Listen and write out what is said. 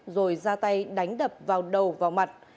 rồi ra tay đánh đập vào đầu vào mặt